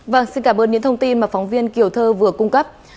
vâng xin cảm ơn những thông tin mà phóng viên kiều thơ vừa cung cấp